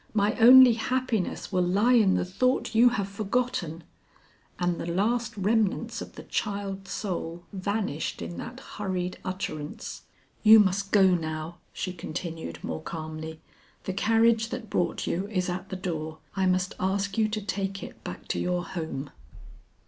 My only happiness will lie in the thought you have forgotten." And the last remnants of the child soul vanished in that hurried utterance. "You must go now," she continued more calmly. "The carriage that brought you is at the door; I must ask you to take it back to your home."